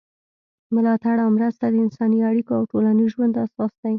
ملاتړ او مرسته د انساني اړیکو او ټولنیز ژوند اساس دی.